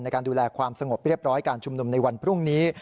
ในการดูแลความสงบเรียบร้อยการชุมนุมในวันพรุ่งนี้